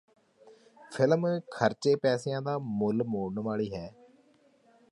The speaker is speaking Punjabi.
ਫ਼ਿਲਮ ਖਰਚੇ ਪੈਸਿਆਂ ਦਾ ਮੁੱਲ ਮੋੜਨ ਵਾਲੀ ਹੈ